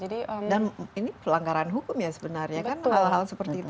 dan ini pelanggaran hukum ya sebenarnya kan hal hal seperti itu